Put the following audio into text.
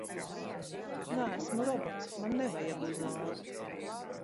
Neesmu robots, man nevajag uzlādi!